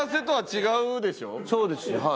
そうですねはい。